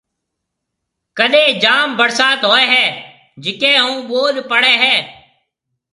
ڪڏَي جام ڀرسات ھوئيَ ھيََََ جڪيَ ھون ٻوڏ پڙَي ھيََََ